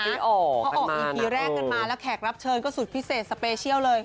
เขาออกอีพีแรกกันมาแล้วแขกรับเชิญก็สุดพิเศษสเปเชียลเลย